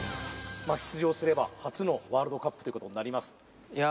まあ出場すれば初のワールドカップということになりますいや